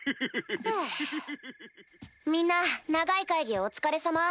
みんな長い会議お疲れさま。